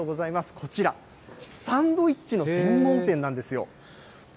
こちら、サンドウィッチの専門店なんですよ。